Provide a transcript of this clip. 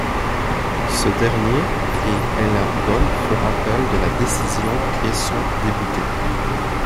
Ce dernier et Hella Gold font appel de la décision et sont déboutés.